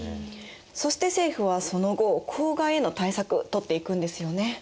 そして政府はその後公害への対策とっていくんですよね？